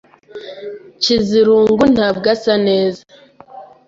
Nshizirungu ntabwo asa neza.